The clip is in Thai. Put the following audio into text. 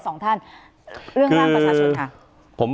เรื่องร่างประชาชน